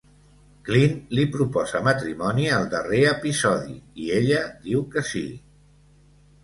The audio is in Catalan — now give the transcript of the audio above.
Clint li proposa matrimoni al darrer episodi i ella diu que "sí".